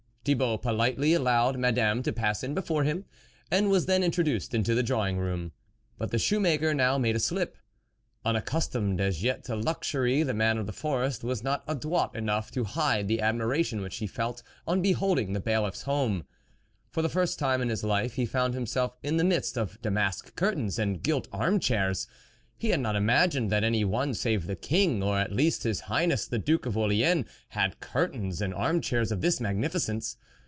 Thibault politely allowed Madame to pass in before him, and was then intro duced into the drawing room. But the shoemaker now made a slip. Unaccustomed as yet to luxury, the man of the forest was not adroit enough to hide the admiration which he felt on be holding the bailiff's home. For the first time in his life he found himself in the midst of damask curtains and gilt arm chairs ; he had not imagined that any one save ths King, or at least his Highness the Duke of Orleans, had curtains and arm chairs of this magnificence.